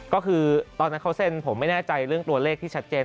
ก็คือตอนนั้นเขาเซ็นผมไม่แน่ใจเรื่องตัวเลขที่ชัดเจน